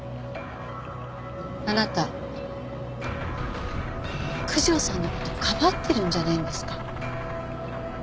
あなた九条さんの事かばってるんじゃないんですか？